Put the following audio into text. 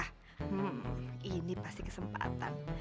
hmm ini pasti kesempatan